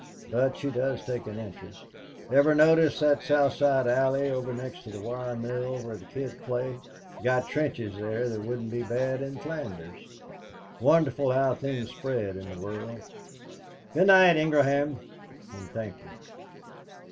But she does take an interest. Ever notice that South Side Alley over next the wire mill, where the kids play. Got trenches there that wouldn't be bad in Flanders. Wonderful how things spread in the world. Good night, Ingraham, and thank you."